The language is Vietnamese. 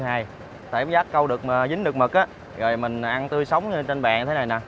tại cảm giác câu dính được mực rồi mình ăn tươi sống trên bàn như thế này nè